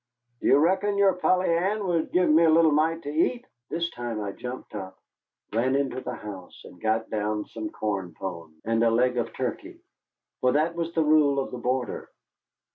"Do you reckon your Polly Ann would give me a little mite to eat?" This time I jumped up, ran into the house, and got down some corn pone and a leg of turkey. For that was the rule of the border.